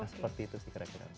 seperti itu sih kira kira